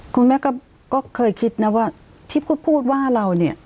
คุณแม่ก็เคยคิดนะว่าที่พูดพูดว่าเราเนี่ย